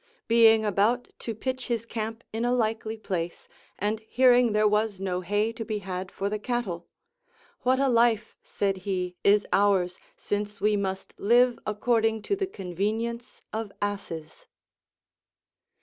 Being about to pitch his camp in a likely place, and hearing there was no hay to be had for the cattle. What a life, said he, is ours, since Ave must live according to the convenience of asses